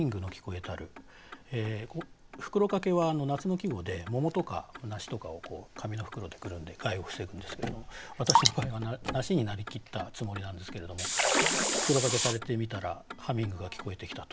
「袋掛」は夏の季語で桃とか梨とかを紙の袋でくるんで害を防ぐんですけれども私の場合は梨になりきったつもりなんですけれども袋掛けされてみたらハミングが聞こえてきたと。